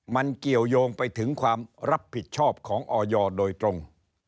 มันเกี่ยวยงไปถึงความรับผิดชอบของออยโดยตรง